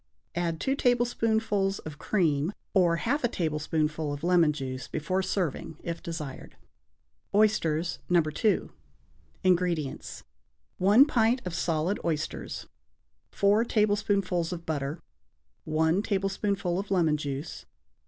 Add two tablespoonfuls of cream or half a tablespoonful of lemon juice before serving, if desired. =Oysters, No. 2.= INGREDIENTS. 1 pint of solid oysters. 4 tablespoonfuls of butter. 1 tablespoonful of lemon juice.